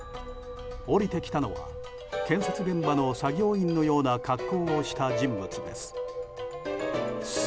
降りてきたのは建設現場の作業員のような格好をした人物です。